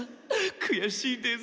くやしいです。